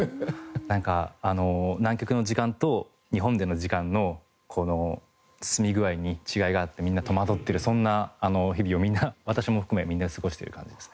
なんか南極の時間と日本での時間のこの進み具合に違いがあってみんな戸惑ってるそんな日々を私も含めみんな過ごしてる感じですね。